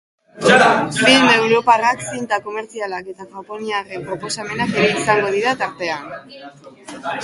Film europarrak, zinta komertzialak eta japoniarren proposamenak ere izango dira tartean.